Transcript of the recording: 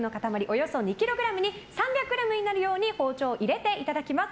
およそ２ｋｇに３００ｇになるよう包丁を入れていただきます。